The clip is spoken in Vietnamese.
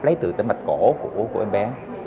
lấy từ tỉnh mạch cổ của em bé